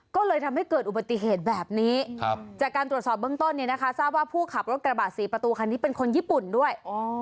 ก็เลยทำให้เกิดอุบัติเหตุแบบนี้จากการตรวจสอบเบื้องต้นเนี่ยนะคะทราบว่าผู้ขับรถกระบะสีประตูคันนี้เป็นคนญี่ปุ่นด้วย